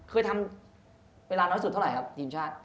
เคยทำเวลาน้อยสุดเท่าไหร่ครับทีมชาติ